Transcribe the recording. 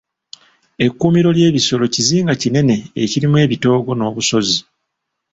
Ekkuumiro ly'ebisolo kizinga kinene ekirimu ebitoogo n'obusozi.